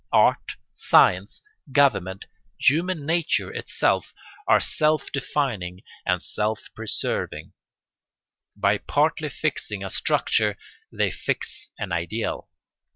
Art, science, government, human nature itself, are self defining and self preserving: by partly fixing a structure they fix an ideal.